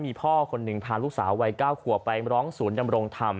มีพ่อคนหนึ่งพาลูกสาววัย๙ขวบไปร้องศูนย์ดำรงธรรม